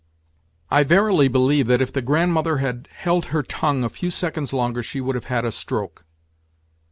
I verily believe that if the Grandmother had held her tongue a few seconds longer she would have had a stroke.